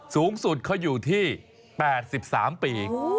สูงสุดเขาอยู่ที่๘๓ปี